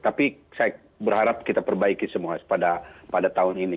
nah ini prinsipnya sebelumnya lah tapi berharap kita perbaiki semua pada tahun ini